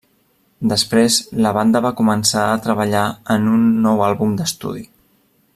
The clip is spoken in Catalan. Després, la banda va començar a treballar en un nou àlbum d'estudi.